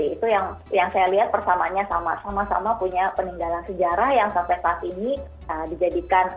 itu yang saya lihat persamaannya sama sama punya peninggalan sejarah yang sampai saat ini dijadikan